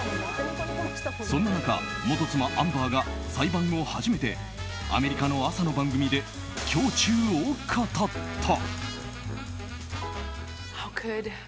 そんな中、元妻アンバーが裁判後初めてアメリカの朝の番組で胸中を語った。